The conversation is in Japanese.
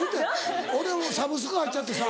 俺もサブスク入っちゃってさ。